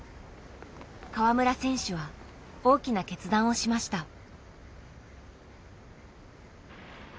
川村選手は大きな決断をしました。